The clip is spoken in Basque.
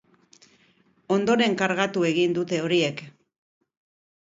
Ondoren, kargatu egin dute horiek.